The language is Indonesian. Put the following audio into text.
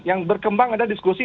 yang berkembang ada diskusi